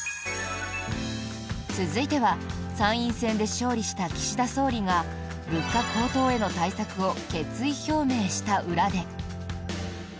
続いては参院選で勝利した岸田総理が物価高騰への対策を決意表明した裏で。